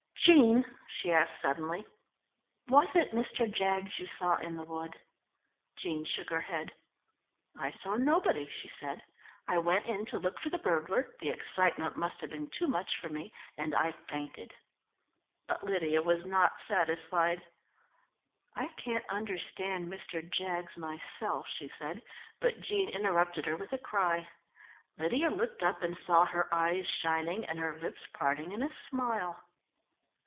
Brrr! Jean," she asked suddenly, "was it Mr. Jaggs you saw in the wood?" Jean shook her head. "I saw nobody," she said. "I went in to look for the burglar; the excitement must have been too much for me, and I fainted." But Lydia was not satisfied. "I can't understand Mr. Jaggs myself," she said, but Jean interrupted her with a cry. Lydia looked up and saw her eyes shining and her lips parting in a smile.